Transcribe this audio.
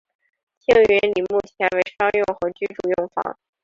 庆云里目前为商用和居住用房。